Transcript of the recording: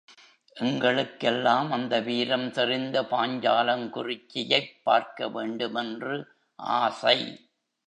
எங்களுக்கெல்லாம் அந்த வீரம் செறிந்த பாஞ்சாலங்குறிச்சியைப் பார்க்க வேண்டுமென்று ஆசை.